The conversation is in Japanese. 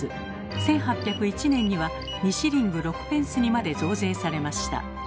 １８０１年には２シリング６ペンスにまで増税されました。